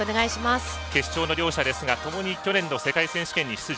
決勝の両者ですがともに去年の世界選手権に出場。